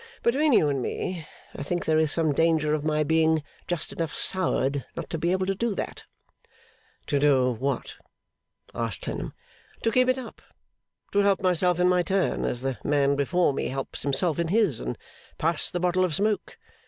Between you and me, I think there is some danger of my being just enough soured not to be able to do that.' 'To do what?' asked Clennam. 'To keep it up. To help myself in my turn, as the man before me helps himself in his, and pass the bottle of smoke.